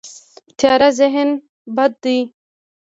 تیاره ذهن بد دی.